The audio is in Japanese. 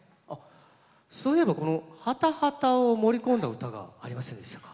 そういえばこのハタハタを盛り込んだ唄がありませんでしたか。